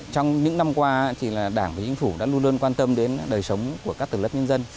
trong những năm qua thì là đảng và chính phủ đã luôn luôn quan tâm đến đời sống của các tử lất nhân dân